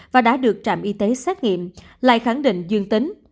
và đã được trạm y tế xét nghiệm lại khẳng định dương tính